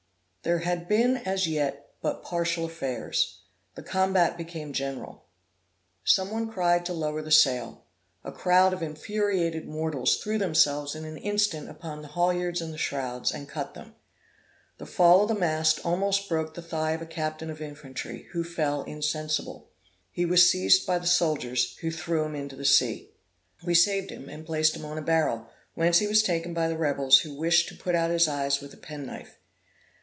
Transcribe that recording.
There had been as yet but partial affairs; the combat became general. Some one cried to lower the sail; a crowd of infuriated mortals threw themselves in an instant upon the haulyards and the shrouds, and cut them. The fall of the mast almost broke the thigh of a captain of infantry, who fell insensible. He was seized by the soldiers, who threw him into the sea. We saved him, and placed him on a barrel, whence he was taken by the rebels, who wished to put out his eyes with a penknife.